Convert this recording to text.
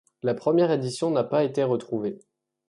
La première édition n'a pas été retrouvée.